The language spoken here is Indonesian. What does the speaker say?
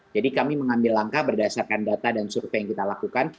jadi kami mengambil langkah berdasarkan data dan survei yang kita lakukan